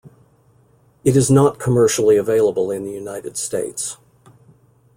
It is not commercially available in the United States.